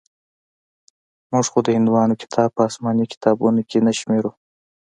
موږ خو د هندوانو کتاب په اسماني کتابونو کښې نه شمېرو.